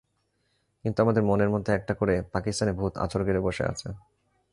কিন্তু আমাদের মনের মধ্যে একটা করে পাকিস্তানি ভূত আছর গেড়ে বসে আছে।